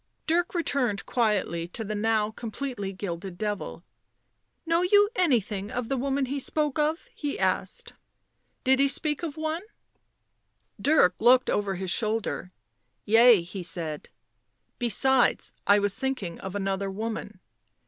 Dirk returned quietly to the now completely gilded devil. " Know you anything of the woman he spoke of?" he asked. "Did he speak of one?" Dirk looked over his shoulder. "Yea," he said; " 'besides, I was thinking of another woman.